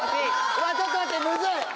うわちょっと待ってムズい！